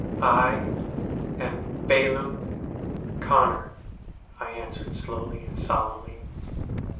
' I am Phelim Connor,' I answered slowly and solemnly.